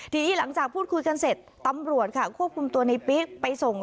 ทีนี้หลังจากพูดคุยกันเสร็จตำรวจค่ะควบคุมตัวในปิ๊กไปส่ง